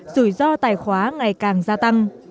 rủi ro tài khoá ngày càng gia tăng